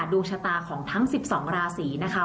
ดวงชะตาของทั้ง๑๒ราศีนะคะ